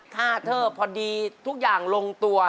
เทิบพอดีทุกอย่างลงตัว